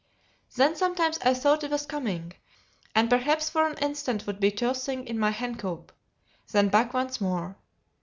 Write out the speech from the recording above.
Then sometimes I thought it was coming; and perhaps for an instant would be tossing in my hen coop; then back once more.